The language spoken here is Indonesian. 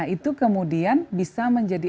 itu kemudian bisa menjadi